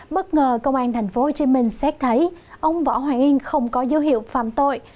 bất ngờ công an tp hcm xét thấy ông võ hoài yên không có dấu hiệu phạm tội